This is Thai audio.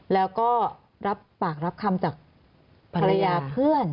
แล้วก็รับปากรับคำจากภรรยาเพื่อน